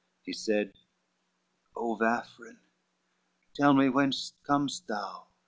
CXIV He said, "O Vafrine, tell me, whence com'st thou?